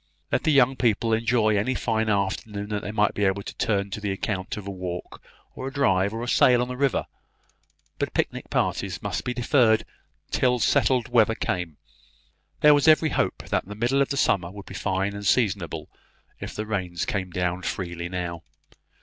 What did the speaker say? Let the young people enjoy any fine afternoon that they might be able to turn to the account of a walk, or a drive, or a sail on the river; but picnic parties must be deferred till settled weather came. There was every hope that the middle of the summer would be fine and seasonable, if the rains came down freely now.